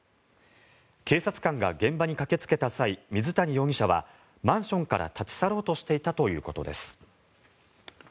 警察官が現場に駆けつけた際水谷容疑者はマンションから立ち去ろうとしていたということです。